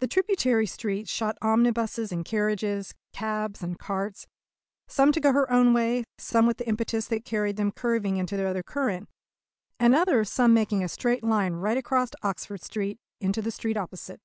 The tributary streets shot omnibuses and carriages, cabs and carts some to go her own way, some with an impetus that carried them curving into the other current, and other some making a straight line right across Oxford Street into the street opposite.